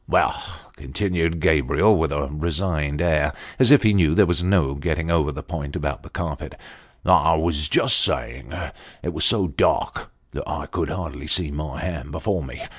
" Well," continued Gabriel with a resigned air, as if he knew there was no getting over the point about the carpet, " I was just saying, it was so dark that I could hardly see my hand before me.